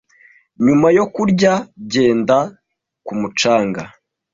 Nyuma yo kurya, ngenda ku mucanga.